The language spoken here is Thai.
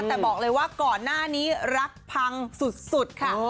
แต่บอกเลยว่าก่อนหน้านี้รักพังสุดค่ะ